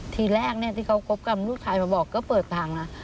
ทีแรกที่เขาคบกับลูกชายมาบอกก็เปิดทางนะ